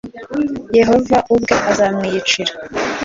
yehova ubwe azamwiyicira